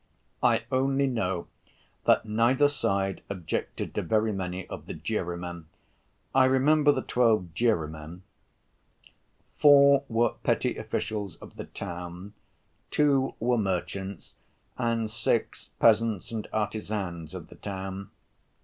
I only know that neither side objected to very many of the jurymen. I remember the twelve jurymen—four were petty officials of the town, two were merchants, and six peasants and artisans of the town.